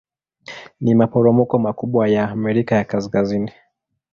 Ni maporomoko makubwa ya Amerika ya Kaskazini.